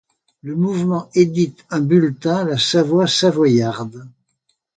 Le mouvement édite un bulletin, La Savoie savoyarde.